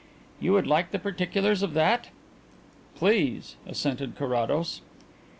You would like the particulars of that?" "Please," assented Carrados.